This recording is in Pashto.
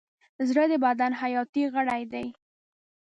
زړه د بدن حیاتي غړی دی.